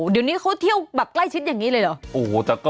เดี๋ยวนี้เขาเที่ยวใกล้ชิดแบบนี้เลยเหรอ